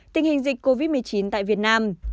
tình hình dịch covid một mươi chín tại việt nam